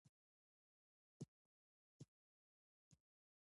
چي پښېمانه سوه له خپله نصیحته